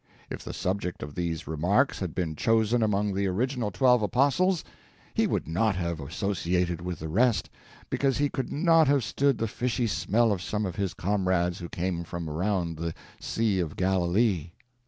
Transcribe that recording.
If the subject of these remarks had been chosen among the original Twelve Apostles, he would not have associated with the rest, because he could not have stood the fishy smell of some of his comrades who came from around the Sea of Galilee.